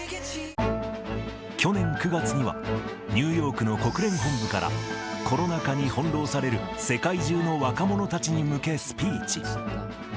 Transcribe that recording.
去年９月にはニューヨークの国連本部からコロナ禍に翻弄される世界中の若者たちに向けスピーチ。